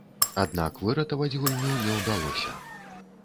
Аднак выратаваць гульню не ўдалося.